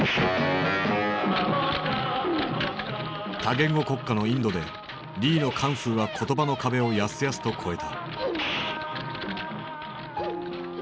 多言語国家のインドでリーのカンフーは言葉の壁をやすやすと越えた。